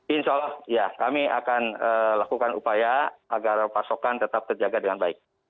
insya allah ya kami akan lakukan upaya agar pasokan tetap terjaga dengan baik